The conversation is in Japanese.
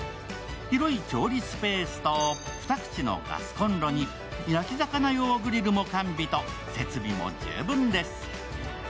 広い調理スペースと２口のガスコンロに焼き魚用グリルも完備と、設備も十分です。